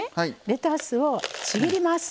レタスをちぎります。